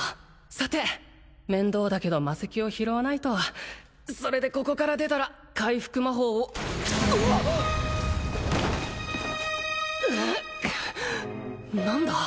さて面倒だけど魔石を拾わないとそれでここから出たら回復魔法をうわっ何だ？